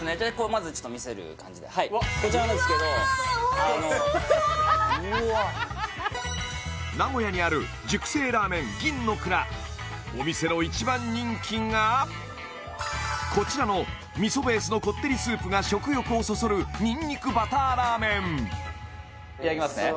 まずちょっと見せる感じではいこちらなんですけどわあおいしそう名古屋にある熟成らーめん銀のくらお店の一番人気がこちらのみそベースのこってりスープが食欲をそそるにんにくバターらーめんいただきますね・